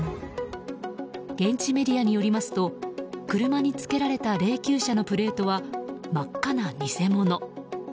現地メディアによりますと車につけられた霊柩車のプレートは真っ赤な偽物。